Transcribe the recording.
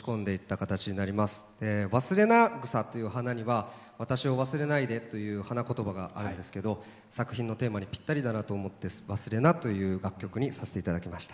わすれな草という花には、私を忘れないでという花言葉があるんですけど作品のテーマにぴったりだなと思って「勿忘」という楽曲にさせていただきました。